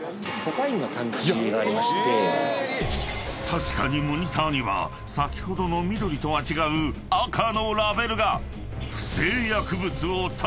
［確かにモニターには先ほどの緑とは違う赤のラベルが！］